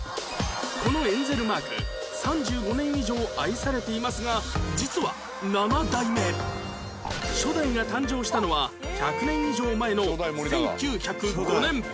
このエンゼルマーク３５年以上愛されていますが実は７代目初代が誕生したのは１００年以上前の１９０５年